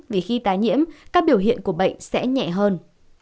vì khi tái nhiễm các biểu hiện của bệnh sẽ nhẹ hơn